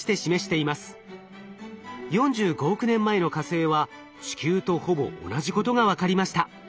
４５億年前の火星は地球とほぼ同じことが分かりました。